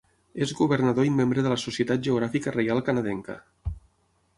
És governador i membre de la Societat Geogràfica Reial Canadenca.